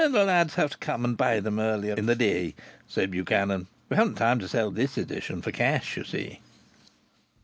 "The lads have to come and buy them earlier in the day," said Buchanan. "We haven't time to sell this edition for cash, you see."